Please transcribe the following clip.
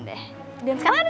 nah waar amang tadi pogang juga